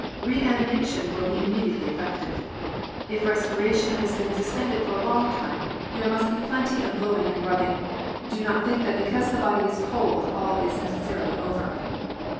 Re animation will be immediately effected. If respiration has been suspended for a long time, there must be plenty of blowing INQUESTS, NO. IL 189 and rubbing \ do not think that because the body is cold ail is neces sarily over.